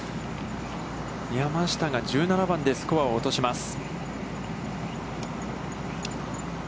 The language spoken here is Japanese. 山下が１７番で、スコアを落とします。